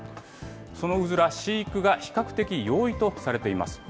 そのうずら、飼育が比較的容易とされています。